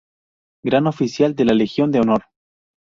Gran Oficial de la Legión de Honor